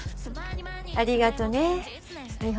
ありがとね美帆。